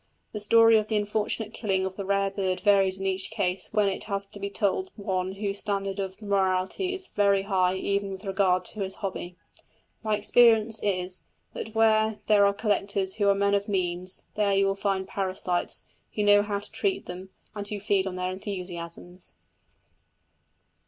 The story of the unfortunate killing of the rare bird varies in each case when it has to be told to one whose standard of morality is very high even with regard to his hobby. My experience is, that where there are collectors who are men of means, there you find their parasites, who know how to treat them, and who feed on their enthusiasms.